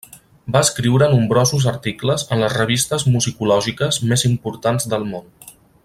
Va escriure nombrosos articles en les revistes musicològiques més importants del món.